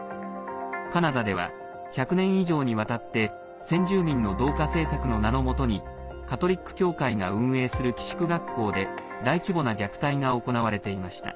カナダでは１００年以上にわたって先住民の同化政策の名のもとにカトリック教会が運営する寄宿学校で大規模な虐待が行われていました。